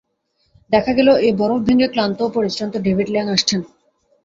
দেখা গেল, এই বরফ ভেঙে ক্লান্ত ও পরিশ্রান্ত ডেভিড ল্যাং আসছেন।